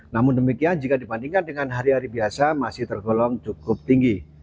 namun demikian jika dibandingkan dengan hari hari biasa masih tergolong cukup tinggi